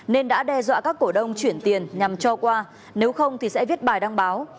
nên đã đe dọa các cổ đông chuyển tiền nhằm cho qua nếu không thì sẽ viết bài đăng báo